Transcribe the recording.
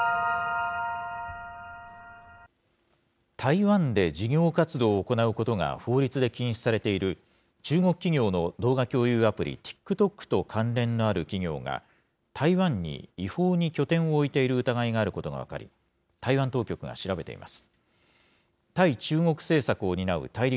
台湾で事業活動を行うことが法律で禁止されている、中国企業の動画共有アプリ、ＴｉｋＴｏｋと関連のある企業が、台湾に違法に拠点を置いている疑いがあることが分かり、台湾当局が調べています。